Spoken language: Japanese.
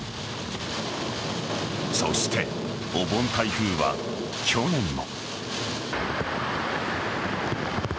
そしてお盆台風は、去年も。